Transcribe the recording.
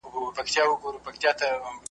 د خان ورور هغه تعویذ وو پرانیستلی .